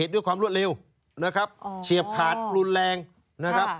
ด้วยความรวดเร็วนะครับเฉียบขาดรุนแรงนะครับ